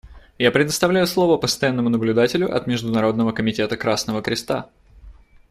Я предоставляю слово Постоянному наблюдателю от Международного комитета Красного Креста.